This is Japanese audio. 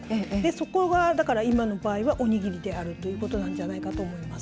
そこが今の場合はおにぎりであるということなんじゃないかと思います。